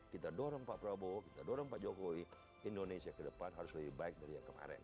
kita dorong pak prabowo kita dorong pak jokowi indonesia ke depan harus lebih baik dari yang kemarin